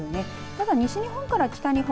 ただ西日本から北日本